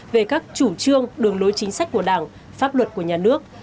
về các chủ trương đường lối chính sách của đảng pháp luật của nhà nước